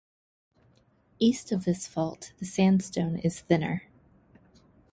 East of this fault the sandstone is thinner.